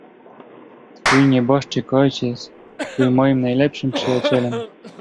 "Twój nieboszczyk ojciec był moim najlepszym przyjacielem."